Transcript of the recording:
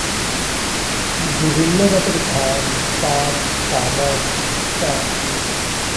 বিভিন্ন জাতের ধান, পাট, তামাক, ভুট্টা।